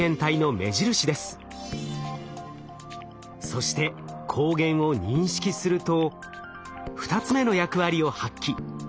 そして抗原を認識すると２つ目の役割を発揮。